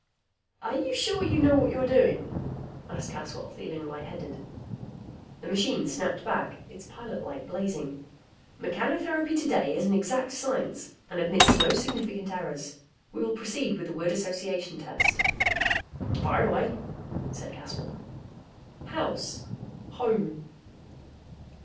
"Are you sure you know what you're doing?" asked Caswell, feeling lightheaded. The machine snapped back, its pilot light blazing. "Mechanotherapy today is an exact science and admits no significant errors. We will proceed with a word association test." "Fire away," said Caswell. "House?" "Home."